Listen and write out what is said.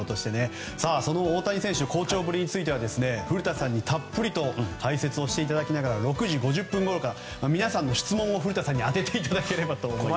その大谷選手の好調ぶりについては古田さんに、たっぷりと解説をしていただきながら６時５０分ごろから皆さんの質問を古田さんに当てていただければと思います。